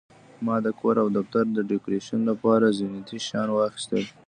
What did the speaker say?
ما د کور او دفتر د ډیکوریشن لپاره زینتي شیان واخیستل.